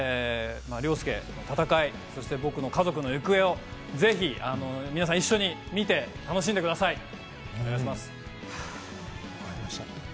凌介の戦い、そして僕の家族の行方をぜひ皆さん一緒に見て楽しんでください。